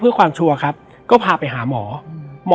และวันนี้แขกรับเชิญที่จะมาเชิญที่เรา